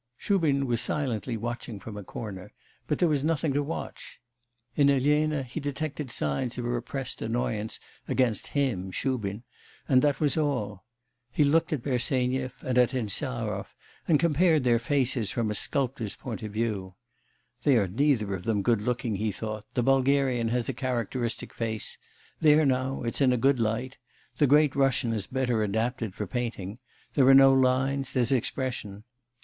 Shubin was silently watching from a corner, but there was nothing to watch. In Elena he detected signs of repressed annoyance against him Shubin and that was all. He looked at Bersenyev and at Insarov, and compared their faces from a sculptor's point of view. 'They are neither of them good looking,' he thought, 'the Bulgarian has a characteristic face there now it's in a good light; the Great Russian is better adapted for painting; there are no lines, there's expression.